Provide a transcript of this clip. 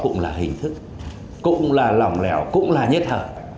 cũng là hình thức cũng là lỏng lẻo cũng là nhất hợp